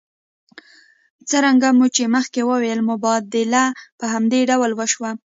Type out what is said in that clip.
څرنګه مو چې مخکې وویل مبادله په همدې ډول وشوه